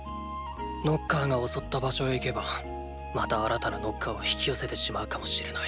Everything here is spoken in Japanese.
ノッカーが襲った場所へ行けばまた新たなノッカーを引き寄せてしまうかもしれない。